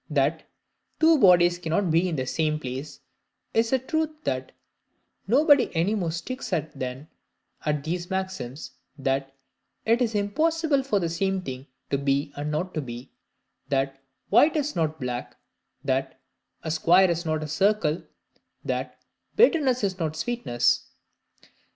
That "two bodies cannot be in the same place" is a truth that nobody any more sticks at than at these maxims, that "it is impossible for the same thing to be and not to be," that "white is not black," that "a square is not a circle," that "bitterness is not sweetness."